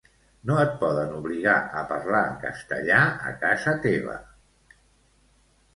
No et poden obligar a parlar en castellà a casa teva.